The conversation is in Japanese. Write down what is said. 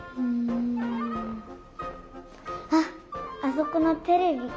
あっあそこのテレビ。